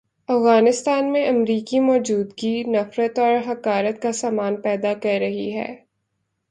افغانستان میں امریکی موجودگی نفرت اور حقارت کا سامان پیدا کر رہی ہے۔